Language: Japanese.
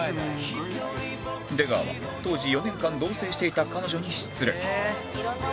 出川は当時４年間同棲していた彼女に失恋